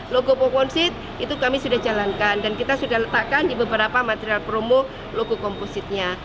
logo poponsit itu kami sudah jalankan dan kita sudah letakkan di beberapa material promo logo kompositnya